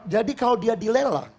jadi kalau dia dilelang